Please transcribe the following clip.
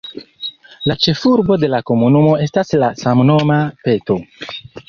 La ĉefurbo de la komunumo estas la samnoma Peto.